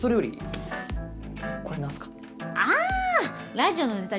ラジオのネタ